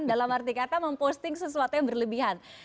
dalam arti kata memposting sesuatu yang berlebihan